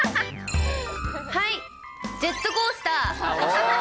はい、ジェットコースター。